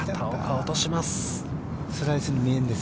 落とします。